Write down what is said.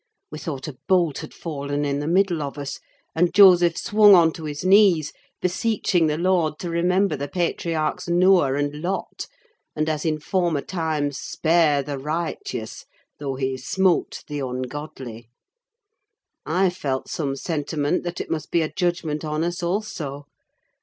We thought a bolt had fallen in the middle of us; and Joseph swung on to his knees, beseeching the Lord to remember the patriarchs Noah and Lot, and, as in former times, spare the righteous, though he smote the ungodly. I felt some sentiment that it must be a judgment on us also.